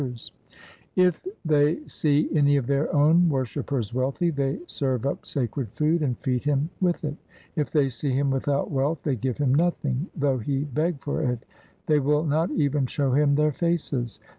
COMPOSITIONS OF GURU GOBIND SINGH 323 If they see any of their own worshippers wealthy, they serve up sacred food and feed him with it. If they see him without wealth, they give him nothing, though he beg for it ; they will not even show him their faces.